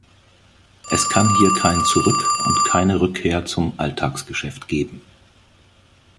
Es kann hier kein Zurück und keine Rückkehr zum Alltagsgeschäft geben.